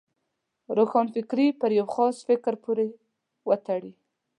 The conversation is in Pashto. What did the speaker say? روښانفکري پر یو خاص فکر پورې وتړي.